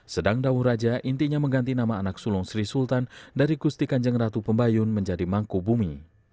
sedang daung raja intinya mengganti nama anak sulung sri sultan dari gusti kanjeng ratu pembayun menjadi mangku bumi